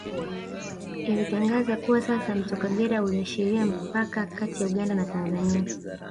Ilitangaza kuwa sasa Mto Kagera uliashiria mpaka kati ya Uganda na Tanzania